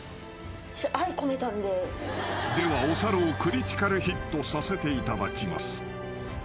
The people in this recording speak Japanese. ［ではお猿をクリティカルヒットさせていただきます］